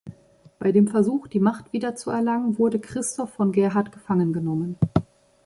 Bei dem Versuch, die Macht wiederzuerlangen, wurde Christoph von Gerhard gefangen genommen.